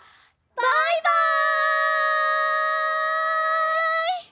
バイバイ！